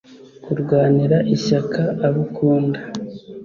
Kurwanira ishyaka abo ukunda